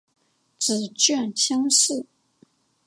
指券相似。